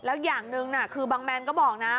แล้วอย่างหนึ่งคือบางแมนก็บอกนะ